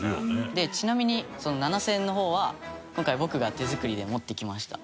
でちなみにその７０００円の方は今回僕が手作りで持ってきました。